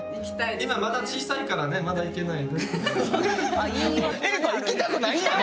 今まだ小さいからねまだ行けないよね。